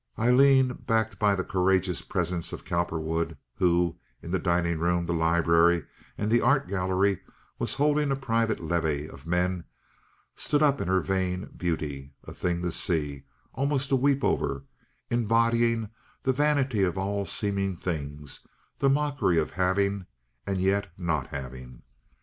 Aileen, backed by the courageous presence of Cowperwood, who, in the dining room, the library, and the art gallery, was holding a private levee of men, stood up in her vain beauty, a thing to see—almost to weep over, embodying the vanity of all seeming things, the mockery of having and yet not having.